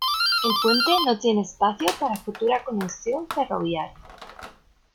El puente no tiene espacio para futura conexión ferroviaria.